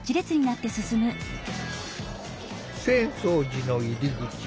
浅草寺の入り口